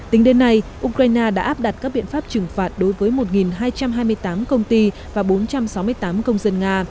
tính đến nay ukraine đã áp đặt các biện pháp trừng phạt đối với một hai trăm hai mươi tám công ty và bốn trăm sáu mươi tám công dân nga